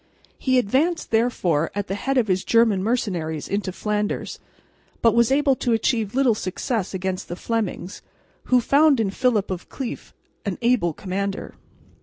He advanced therefore at the head of his German mercenaries into Flanders, but was able to achieve little success against the Flemings, who found in Philip of Cleef an able commander.